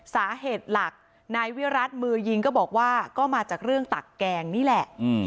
สาเหตุหลักนายวิรัติมือยิงก็บอกว่าก็มาจากเรื่องตักแกงนี่แหละ